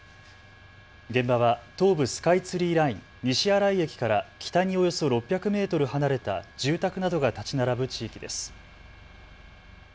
現場は東武スカイツリーライン、西新井駅から北におよそ６００メートル離れた住宅などが建ち並ぶ地域です。